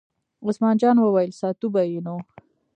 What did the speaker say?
عثمان جان وویل: ساتو به یې نو.